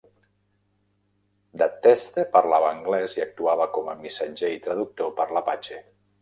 Dahteste parlava anglès i actuava com a missatger i traductor per a l'Apache.